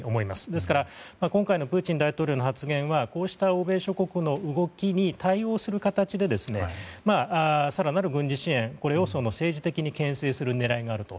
ですから、今回のプーチン大統領の発言はこうした欧米諸国の動きに対応する形で更なる軍事支援を政治的に牽制する狙いがあると。